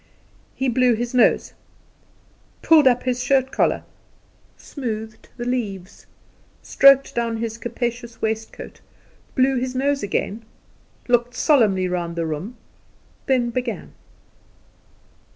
He blew his nose, pulled up his shirt collar, smoothed the leaves, stroked down his capacious waistcoat, blew his nose again, looked solemnly round the room, then began.